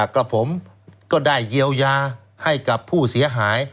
กับผมก็ได้เยียวยาให้กับผู้เสียหาย